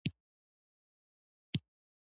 راکټ د تیلو په ځواک چلیږي